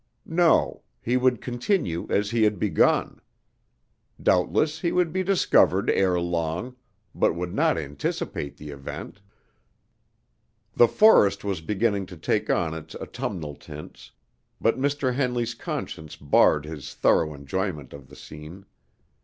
No, he would continue as he had begun. Doubtless he would be discovered ere long, but would not anticipate the event." The forest was beginning to take on its autumnal tints, but Mr. Henley's conscience barred his thorough enjoyment of the scene.